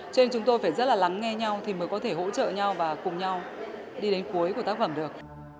cho nên chúng tôi phải rất là lắng nghe thì mới có thể hỗ trợ nhau và cùng nhau đi đến cuối của tác phẩm được